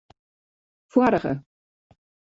Foarige.